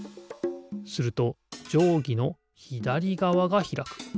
するとじょうぎのひだりがわがひらく。